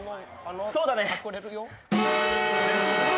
そうだね。